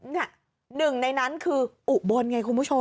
หนึ่งในนั้นคืออุบลไงคุณผู้ชม